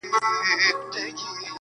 د ابوجهل د غرور په اجاره ختلی!.